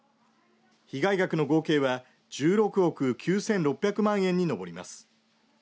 被害額の合計は１６億９６００万円に上ります。